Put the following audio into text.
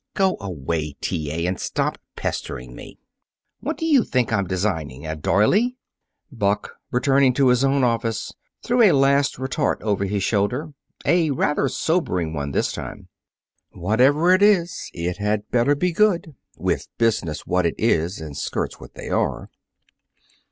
"Go away, T. A., and stop pestering me! What do you think I'm designing a doily?" Buck, turning to go to his own office, threw a last retort over his shoulder a rather sobering one, this time. "Whatever it is, it had better be good with business what it is and skirts what they are."